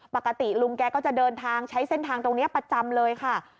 ปกติลุงแกก็จะเดินทางใช้เส้นทางตรงนี้ประจำเลยค่ะ